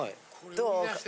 どう？